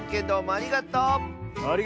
ありがとう！